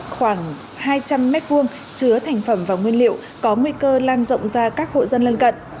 khoảng hai trăm linh m hai chứa thành phẩm và nguyên liệu có nguy cơ lan rộng ra các hộ dân lân cận